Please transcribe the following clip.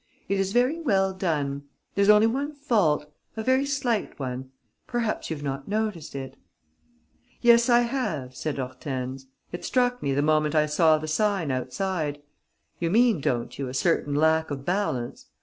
It is very well done. There's only one fault, a very slight one: perhaps you've not noticed it?" "Yes, I have," said Hortense. "It struck me the moment I saw the sign, outside. You mean, don't you, a certain lack of balance?